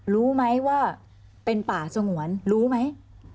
รู้ไหมว่าเป็นป่าสงวนรู้ไหม